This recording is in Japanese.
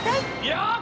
よっ！